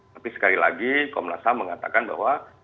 tapi sekali lagi komnas ham mengatakan bahwa